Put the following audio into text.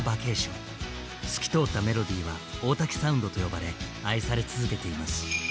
透き通ったメロディーは大滝サウンドと呼ばれ愛され続けています。